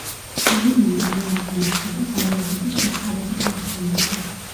სულეიმანმა უარი განაცხადა ბაიაზიდის შეწყალების მოთხოვნაზე.